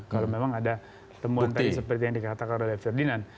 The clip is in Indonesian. kalau memang ada temuan tadi seperti yang dikatakan oleh ferdinand